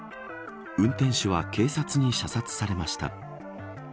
運転手は警察に射殺されました。